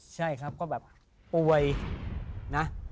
ใช่ครับก็แบบป่วยนะ